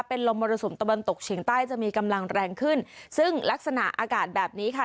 เป็นลมมรสุมตะวันตกเฉียงใต้จะมีกำลังแรงขึ้นซึ่งลักษณะอากาศแบบนี้ค่ะ